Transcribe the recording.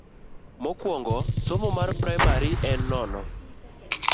Mokuongo somo mar primari en nono.